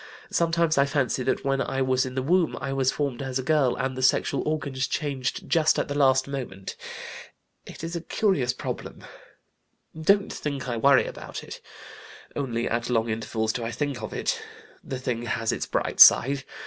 Sometimes I fancy that when I was in the womb I was formed as a girl and the sexual organs changed just at the last moment. It is a curious problem. Don't think I worry about it. Only at long intervals do I think of it.... The thing has its bright side.